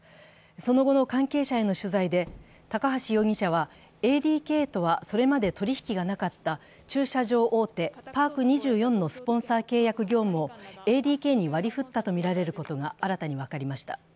その後の関係者への取材で、高橋容疑者はＡＤＫとはそれまで取り引きがなかった駐車場大手、パーク２４のスポンサー契約業務をＡＤＫに割り振ったとみられることが新たに分かりました。